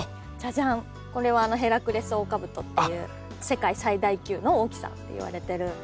これは「ヘラクレスオオカブト」っていう世界最大級の大きさっていわれてる。